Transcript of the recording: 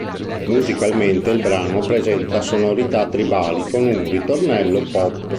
Musicalmente il brano presenta sonorità tribali con un ritornello pop.